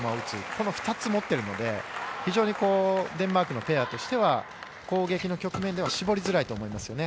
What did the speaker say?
この２つを持っているので非常にデンマークのペアとしては攻撃の局面では絞りづらいと思います。